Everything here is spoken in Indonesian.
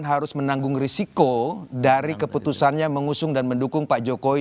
harus menanggung risiko dari keputusannya mengusung dan mendukung pak jokowi